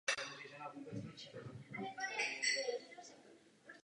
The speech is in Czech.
Krátce nato byl subjekt opět přejmenován na Občanské národní hnutí.